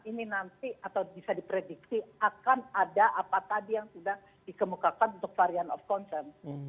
ini nanti atau bisa diprediksi akan ada apa tadi yang sudah dikemukakan untuk varian of concern